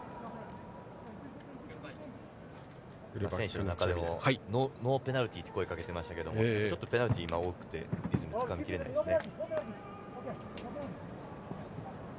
選手の中でもノーペナルティーと声をかけていましたけどちょっとペナルティーが多くてリズムをつかみきれないですね。